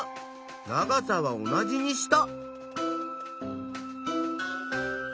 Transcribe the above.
長さは同じにした。